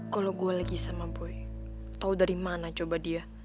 kalau gue lagi sama boy tahu dari mana coba dia